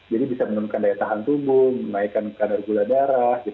jadi bisa menurunkan daya tahan tubuh menaikkan kadar gula darah